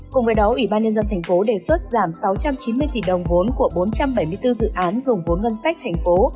cùng với đó ủy ban nhân dân thành phố đề xuất giảm sáu trăm chín mươi tỷ đồng vốn của bốn trăm bảy mươi bốn dự án dùng vốn ngân sách thành phố